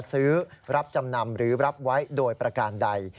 รับจำนำหรือรับไว้โดยประการใด